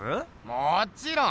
もちろん！